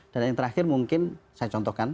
dan yang terakhir mungkin saya contohkan